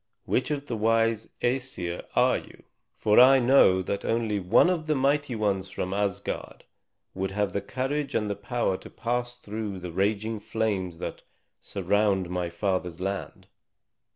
"Which of the wise Æsir are you? For I know that only one of the mighty ones from Asgard would have the courage and the power to pass through the raging flames that surround my father's land."